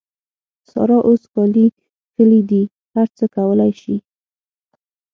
سارا اوس کالي کښلي دي؛ هر څه کولای سي.